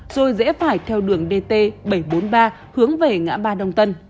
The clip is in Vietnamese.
rồi rẽ phải theo đường dt bảy trăm bốn mươi ba hướng về ngã ba đông tân